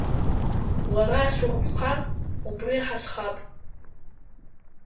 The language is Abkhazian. Уара сурԥхар убри ҳазхап!